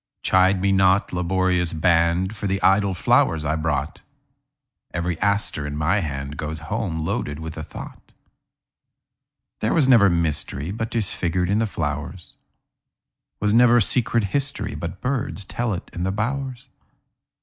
Chide me not, laborious band, For the idle flowers I brought; Every aster in my handGoes home loaded with a thought. There was never mysteryBut 'tis figured in the flowers; SWas never secret historyBut birds tell it in the bowers.